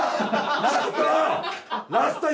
ラスト！